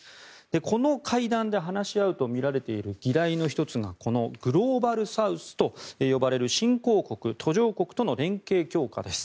この会談で話し合うとみられている議題の１つがこのグローバルサウスと呼ばれる新興国・途上国との連携強化です。